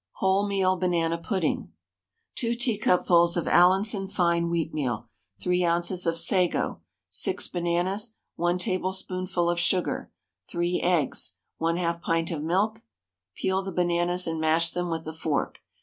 WHOLEMEAL BANANA PUDDING. 2 teacupfuls of Allinson fine wheatmeal, 3 oz. of sago, 6 bananas, 1 tablespoonful of sugar, 3 eggs, 1/2 pint of milk. Peel the bananas and mash them with a fork.